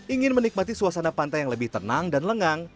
ingin menikmati suasana pantai yang lebih tenang dan lengang